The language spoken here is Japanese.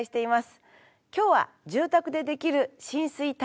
今日は住宅でできる浸水対策です。